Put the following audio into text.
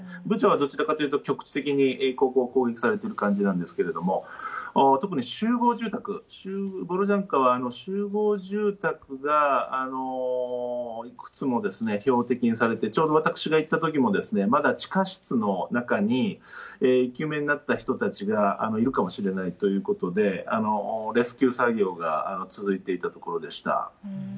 ブチャはどちらかというと、局地的に攻撃されてる感じなんですけれども、特に集合住宅、ボロジャンカは集合住宅がいくつも標的にされて、ちょうど私が行ったときも、まだ地下室の中に生き埋めになった人たちがいるかもしれないということで、レスキュー作業が続いていたところでした。